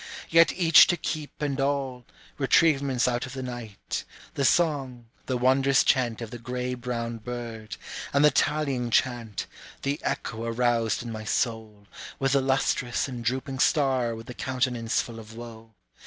Yet each to keep and all, retrievements out of the night, The song, the wondrous chant of the gray brown bird, And the tallying chant, the echo aroused in my soul, With the lustrous and drooping star with the countenance full of woe.